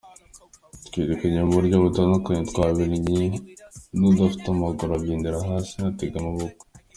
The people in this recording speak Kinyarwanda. Twiyerekanye mu buryo butandukanye, twabyinnye n’udafite amaguru abyinira hasi, atega amaboko.